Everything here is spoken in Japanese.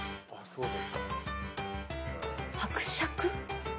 伯爵？